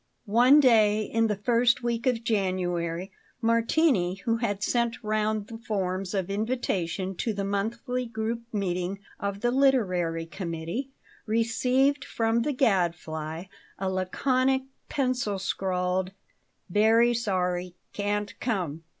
ONE day in the first week of January Martini, who had sent round the forms of invitation to the monthly group meeting of the literary committee, received from the Gadfly a laconic, pencil scrawled "Very sorry: can't come."